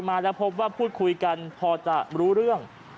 มาแล้วพบว่าพูดคุยกันพอจะรู้เรื่อง